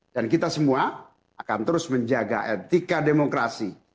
dan kita semua akan terus menjaga etika demokrasi